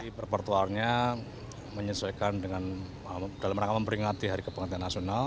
jadi repertoarnya menyesuaikan dengan dalam rangka memperingati hari kebangkitan nasional